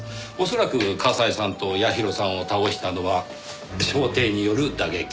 恐らく西さんと八尋さんを倒したのは掌底による打撃。